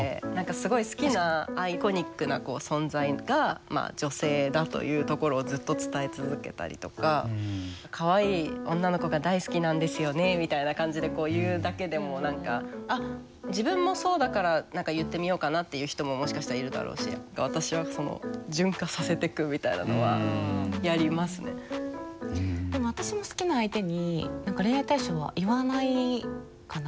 すごい好きなアイコニックな存在が女性だというところをずっと伝え続けたりとかかわいい女の子が大好きなんですよねみたいな感じで言うだけでも何かあっ自分もそうだから言ってみようかなっていう人ももしかしたらいるだろうし私はでも私も好きな相手に恋愛対象は言わないかな。